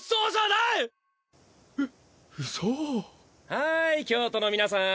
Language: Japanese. はい京都の皆さん